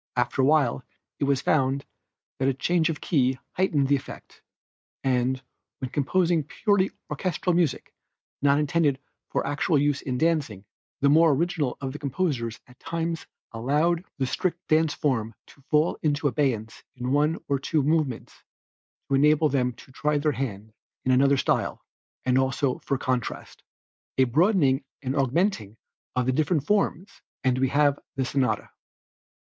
After a while it was found that a change of key heightened the effect, and, when composing purely orchestral music not intended for actual use in dancing, the more original of the composers at times allowed the strict dance form to fall into abeyance in one or two movements to enable them to try their hand in another style, and also for contrast. A broadening and augmenting of the different forms and we have the sonata.